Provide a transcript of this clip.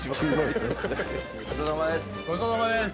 ごちそうさまです。